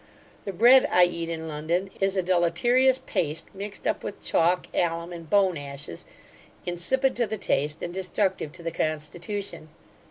The bread I cat in London, is a deleterious paste, mixed up with chalk, alum, and bone ashes; insipid to the taste, and destructive to the constitution.